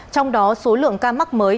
trong đó số lượng ca mắc mới